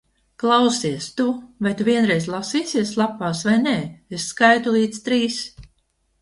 Klausies tu! Vai tu vienreiz lasīsies lapās, vai nē? Es skaitu līdz trīs.